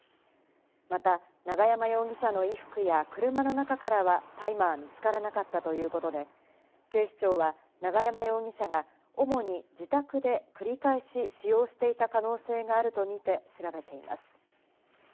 また、永山容疑者の衣服や車の中からは大麻は見つからなかったということで、警視庁は永山容疑者が主に自宅で繰り返し使用していた可能性があるとみて調べています。